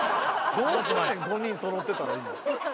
５人そろってたら今。